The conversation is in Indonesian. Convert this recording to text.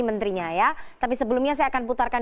menterinya ya tapi sebelumnya saya akan putarkan